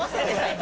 今。